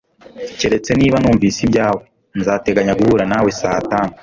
Keretse niba numvise ibyawe, nzateganya guhura nawe saa tanu